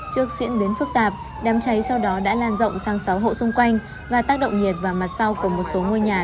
trước diễn biến phức tạp đám cháy sau đó đã lan rộng sang sáu hộ xung quanh và tác động nhiệt vào mặt sau của một số ngôi nhà